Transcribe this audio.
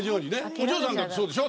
お嬢さんだってそうでしょ？